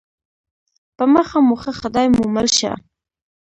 په مخه مو ښه خدای مو مل شه